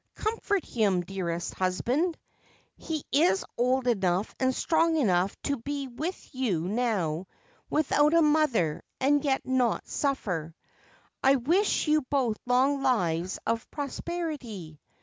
Comfort him, dearest husband ! He is old enough and strong enough to be with you now without a mother and yet not suffer. I wish you both long lives of prosperity.